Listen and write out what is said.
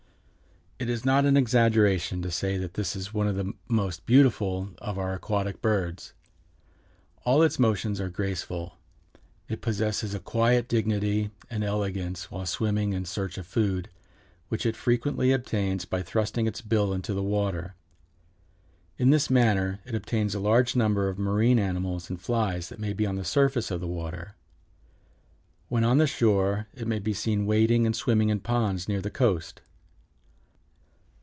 It is not an exaggeration to say that it is one of the most beautiful of our aquatic birds. All its motions are graceful. It possesses a quiet dignity and elegance while swimming in search of food, which it frequently obtains by thrusting its bill into the water. In this manner it obtains a large number of marine animals and flies that may be on the surface of the water. When on the shore it may be seen wading and swimming in ponds near the coast.